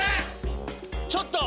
ちょっと！